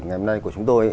ngày hôm nay của chúng tôi